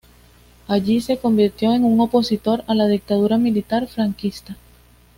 Allí se convirtió en un opositor a la dictadura militar franquista.